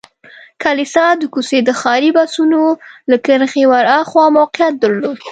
کلیسا د کوڅې د ښاري بسونو له کرښې ور هاخوا موقعیت درلود.